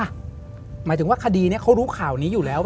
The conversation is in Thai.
หมายถึงว่าคดีนี้เขารู้ข่าวนี้อยู่แล้ว